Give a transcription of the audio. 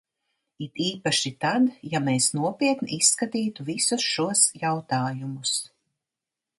It īpaši tad, ja mēs nopietni izskatītu visus šos jautājumus.